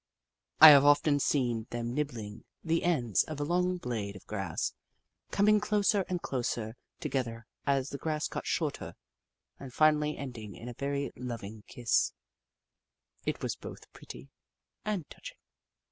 I have often seen i82 The Book of Clever Beasts them nibbUng the ends of a long blade of grass, coming closer and closer together as the grass got shorter, and finally ending in a very loving kiss. It was both pretty and touching.